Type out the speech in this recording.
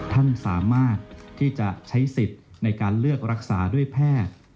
ท่านสามารถที่จะใช้สิทธิ์ในการเลือกรักษาด้วยแพทย์